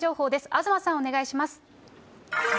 東さん、お願いします。